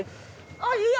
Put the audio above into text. あっいや！